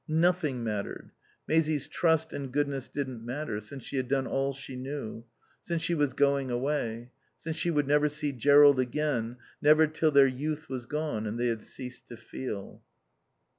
Nothing mattered. Maisie's trust and goodness didn't matter, since she had done all she knew; since she was going away; since she would never see Jerrold again, never till their youth was gone and they had ceased to feel.